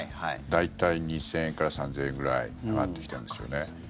大体２０００円から３０００円ぐらい上がってきてるんですよね。